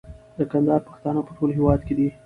د کندهار پښتانه په ټول هيواد کي دي